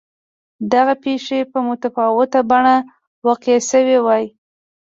دغه پېښې په متفاوته بڼه واقع شوې وای.